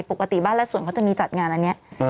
ปกติบ้านและส่วนเขาจะมีจัดงานอันนี้